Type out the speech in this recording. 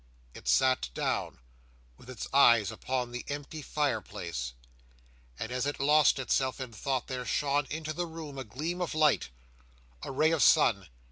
It sat down, with its eyes upon the empty fireplace, and as it lost itself in thought there shone into the room a gleam of light; a ray of sun.